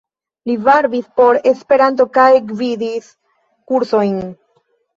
Li varbis por Esperanto kaj gvidis kursojn.